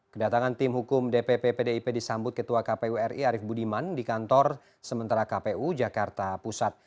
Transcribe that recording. kedatangan tim hukum dpp pdip disambut ketua kpu ri arief budiman di kantor sementara kpu jakarta pusat